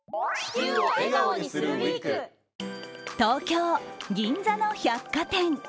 東京・銀座の百貨店。